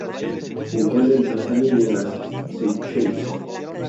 Se encuentra en Tanzania y en las Seychelles.